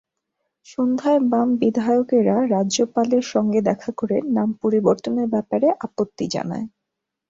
সন্ধ্যায় বাম বিধায়কেরা রাজ্যপালের সঙ্গে দেখা করে নাম পরিবর্তনের ব্যাপারে আপত্তি জানায়।